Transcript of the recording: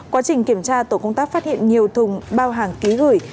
quá trình kiểm tra tổ công tác phát hiện nhiều thùng bao hàng ký gửi